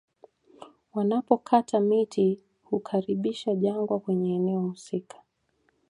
Wanapokata miti hukaribisha jangwa kwenye eneo husika